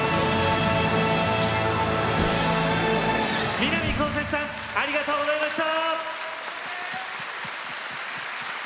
南こうせつさんありがとうございました。